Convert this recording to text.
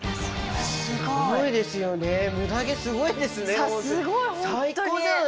すごいですよね。